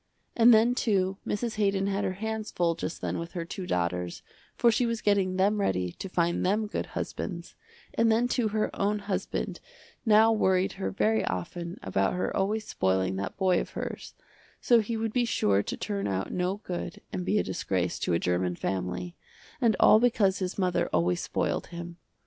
And then too Mrs. Haydon had her hands full just then with her two daughters, for she was getting them ready to find them good husbands, and then too her own husband now worried her very often about her always spoiling that boy of hers, so he would be sure to turn out no good and be a disgrace to a german family, and all because his mother always spoiled him.